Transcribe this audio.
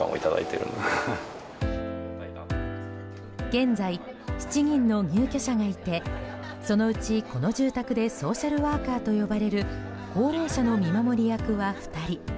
現在７人の入居者がいてそのうち、この住宅でソーシャルワーカーと呼ばれる高齢者の見守り役は２人。